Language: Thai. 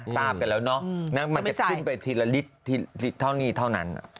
ทราบกันแล้วเนาะมันจะขึ้นไปทีละลิตรเท่านี้เท่านั้น